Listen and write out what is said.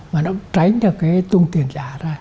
và nó cũng tránh được cái tung tiền giả ra